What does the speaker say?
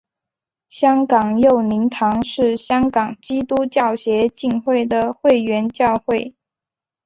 香港佑宁堂是香港基督教协进会的会员教会。